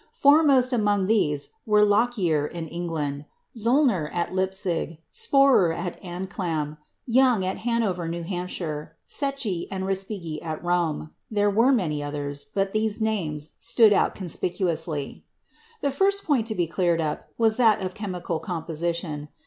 Foremost among these were Lockyer in England, Zöllner at Leipzig, Spörer at Anclam, Young at Hanover, New Hampshire, Secchi and Respighi at Rome. There were many others, but these names stood out conspicuously. The first point to be cleared up was that of chemical composition.